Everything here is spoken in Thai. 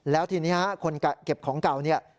แล้วทีนี้คนเก็บของเก่าเนี่ย